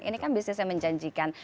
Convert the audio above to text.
ini kan bisnis yang menjanjikan